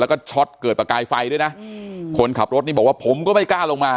แล้วก็ช็อตเกิดประกายไฟด้วยนะคนขับรถนี่บอกว่าผมก็ไม่กล้าลงมา